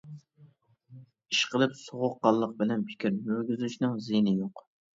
ئىشقىلىپ سوغۇققانلىق بىلەن پىكىر يۈرگۈزۈشنىڭ زىيىنى يوق.